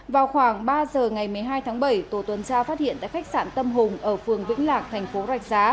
vào khoảng ba giờ ngày một mươi hai tháng bảy tổ tuần tra phát hiện tại khách sạn tâm hùng ở phường vĩnh lạc thành phố rạch giá